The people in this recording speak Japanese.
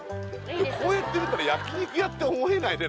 こうやってみたら焼肉屋って思えないね